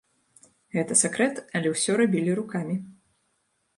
Гэта сакрэт, але ўсё рабілі рукамі.